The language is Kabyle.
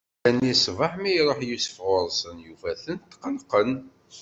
Azekka-nni ṣṣbeḥ, mi iṛuḥ Yusef ɣur-sen, yufa-ten tqelqen.